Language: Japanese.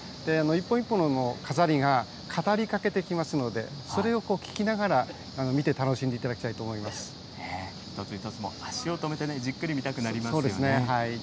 一本一本の飾りが語りかけてきますので、それを聞きながら見て楽一つ一つ、足を止めて、じっくり見てみたくなりますね。